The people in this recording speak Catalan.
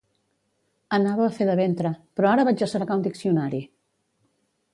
Anava a fer de ventre, però ara vaig a cercar un diccionari!